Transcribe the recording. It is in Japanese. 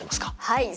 はい。